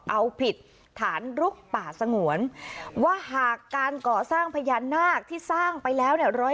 เอาผิดฐานลุกป่าสงวนว่าหากการก่อสร้างพญานาคที่สร้างไปแล้วเนี่ย